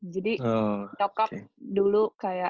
jadi nyokap dulu kayak